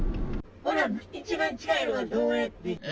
ほな、一番近いのはどうでっか。